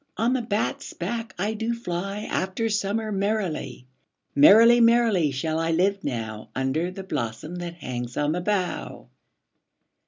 On the bat's back I do fly After summer merrily: 5 Merrily, merrily, shall I live now, Under the blossom that hangs on the bough.